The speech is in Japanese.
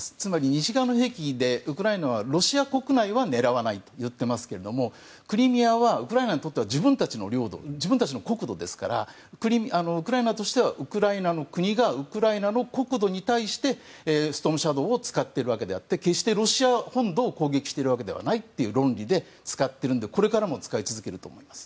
西側の兵器でウクライナはロシア国内は狙わないと言っていますけれどもクリミアはウクライナにとっては自分たちの領土自分たちの国土ですからウクライナとしてはウクライナの国がウクライナの国土に対してストームシャドーを使っているわけであって決して、ロシア本土を攻撃しているわけではないという論理で使っているので、これからも使い続けると思います。